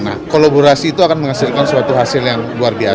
nah kolaborasi itu akan menghasilkan suatu hasil yang luar biasa